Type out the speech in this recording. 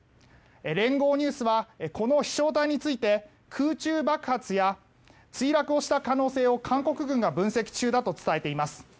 連合ニュースはこの飛翔体について空中爆発や墜落をした可能性を韓国軍が分析中だと伝えています。